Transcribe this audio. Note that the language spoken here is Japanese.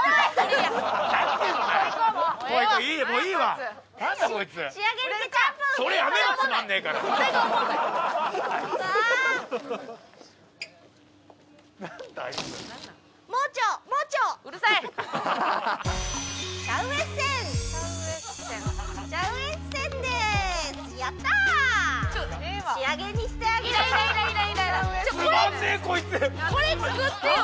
これ作ってよ！